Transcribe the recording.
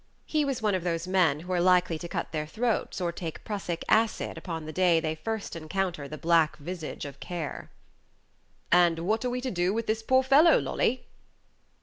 He was one of those men who are likely to cut their throats or take prussic acid upon the day they first encounter the black visage of Care. "And what are we to do with this poor fellow, Lolly?"